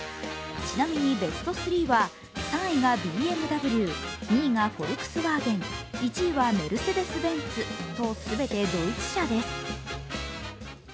ちなみに、ベスト３は３位がＢＭＷ２位がフォルクスワーゲン１位はメルセデス・ベンツと全てドイツ車です。